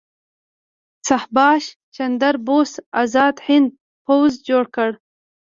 سبهاش چندر بوس ازاد هند پوځ جوړ کړ.